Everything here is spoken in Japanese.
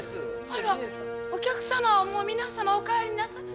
あらお客様はもう皆様お帰りなさい。